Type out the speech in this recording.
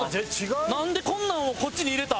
なんでこんなんをこっちに入れた？